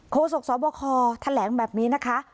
โฆษกษบคแถมแหลงแบบนี้นะคะ